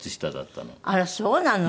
あらそうなの？